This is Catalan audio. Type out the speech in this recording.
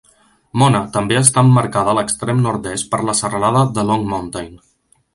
Mona també està emmarcada a l'extrem nord-est per la serralada de Long Mountain.